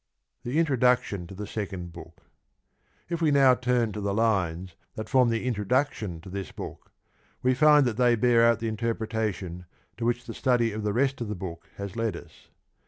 The introduc If wc uow tum to the lines that form the introduction to this book, wc find that they bear out the interpretation to which the study of the rest of the book has led us.